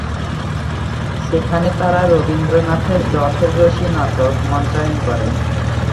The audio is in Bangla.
সেখানে তারা রবীন্দ্রনাথের রথের রশি নাটক মঞ্চায়ন করে।